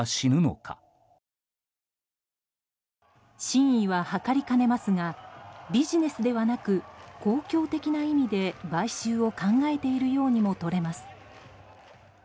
真意は測りかねますがビジネスではなく公共的な意味で、買収を考えているようにも取れます。